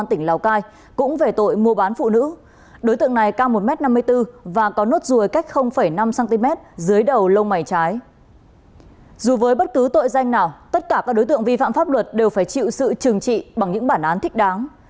tiếp theo tất cả các đối tượng vi phạm pháp luật đều phải chịu sự trừng trị bằng những bản án thích đáng